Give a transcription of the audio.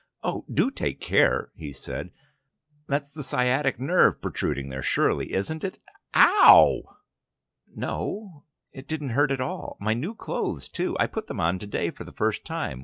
"Oh, do take care!" he said. "That's the sciatic nerve protruding there surely, isn't it? A ow! "No, it didn't hurt after all. My new clothes, too: I put them on to day for the first time.